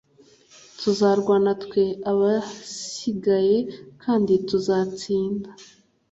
Tuzarwana twe abasigaye kandi tuzatsinda